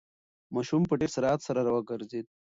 ماشوم په ډېر سرعت سره راوگرځېد.